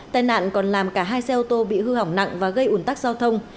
tai nạn còn làm cả hai xe ô tô bị hư hỏng nặng và gây ủn tắc giao thông